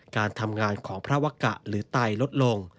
การทำงานของพระวกะหรือไตลดลง